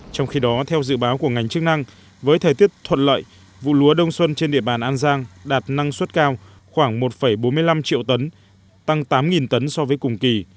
trong khi đó theo dự báo của ngành chức năng với thời tiết thuận lợi vụ lúa đông xuân trên địa bàn an giang đạt năng suất cao khoảng một bốn mươi năm triệu tấn tăng tám tấn so với cùng kỳ